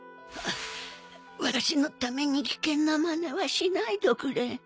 私のために危険なマネはしないどくれあ？